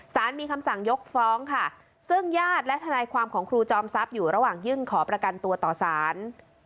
มีคำสั่งยกฟ้องค่ะซึ่งญาติและทนายความของครูจอมทรัพย์อยู่ระหว่างยื่นขอประกันตัวต่อสาร